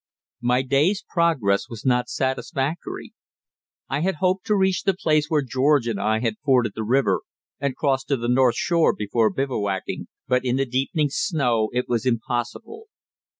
My day's progress was not satisfactory. I had hoped to reach the place where George and I had forded the river, and cross to the north shore before bivouacking, but in the deepening snow it was impossible.